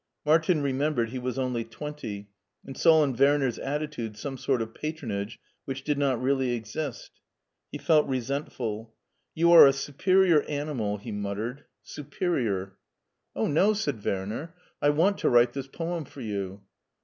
Martin remembered he was only twenty, and saw in Werner's attitude some sort of patronage, which did not really exist. He felt resentful. "You are a superior animal " ^e muttered " superior," 32 MARTIN SCHULER 0h, no!'* said Werner; "I want to write this poem folr you."